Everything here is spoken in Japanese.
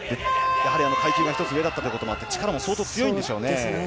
階級が１つ上だったこともあって力も相当強いんでしょうね。